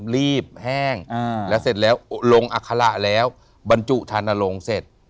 รีบแห้งแล้วเสร็จแล้วลงอัคระแล้วบรรจุธานลงเสร็จ